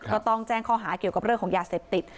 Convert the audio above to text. ก็ต้องแจ้งข้อหาเกี่ยวกับเรื่องของยาเสพติด